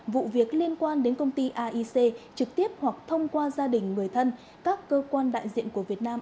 vụ việc liên quan đến công ty aic trực tiếp hoặc thông qua gia đình người thân các cơ quan đại diện của việt nam